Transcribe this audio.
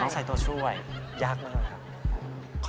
ต้องใส่ตัวช่วยยากมากเลยครับ